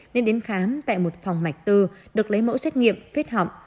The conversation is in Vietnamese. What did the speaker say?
nên đến khám tại một phòng mạch tư được lấy mẫu xét nghiệm phết họng